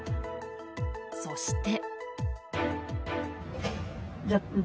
そして。